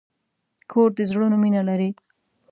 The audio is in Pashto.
کور د زړونو مینه لري.